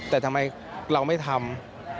แต่ทำไมเราไม่ทำ